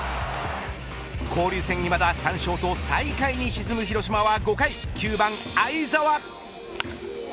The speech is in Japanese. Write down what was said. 交流戦いまだ３勝と最下位に沈む広島は５回９番會澤。